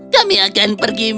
kami akan pergi membeli